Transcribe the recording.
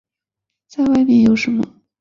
再外面有什么